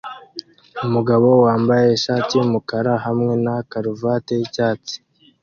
Umugabo wambaye ishati yumukara hamwe na karuvati yicyatsi